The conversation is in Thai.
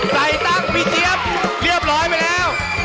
ตั้งพี่เจี๊ยบเรียบร้อยไปแล้ว